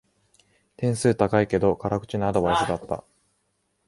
点数高いけど辛口なアドバイスだった